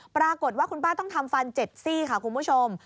ปรากฏว่าคุณป้าต้องทำฟัน๗ซี่ค่ะคุณผู้ชม